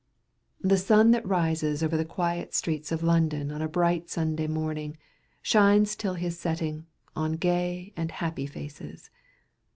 The sun that rises over the quiet streets of London on a bright Sunday morning, shines till his setting, on gay and happy faces.